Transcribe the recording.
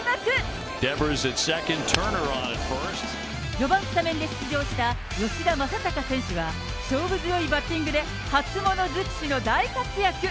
４番スタメンで出場した吉田正尚選手は、勝負強いバッティングで、初物づくしの大活躍。